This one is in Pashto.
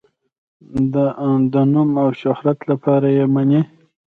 د نوم او شهرت لپاره یې مني.